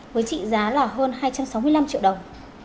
với trị giá là hơn hai trăm sáu mươi năm triệu đồng